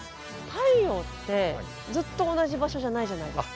太陽ってずっと同じ場所じゃないじゃないですか。